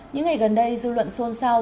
những ngày gần đây dư luận xôn xao